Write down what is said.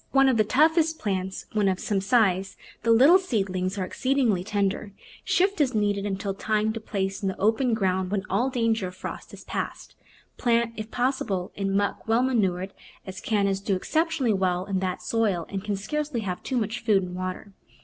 Though one of the toughest plants when of some size, the little seedlings are exceedingly tender. Shift as needed until time to place in the open ground when all danger of frost is past. Plant, if possible, in muck well manured, as Cannas do exceptionally well in that soil and can scarcely have too much food and water.